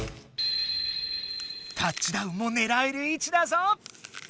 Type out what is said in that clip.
タッチダウンもねらえる位置だぞ。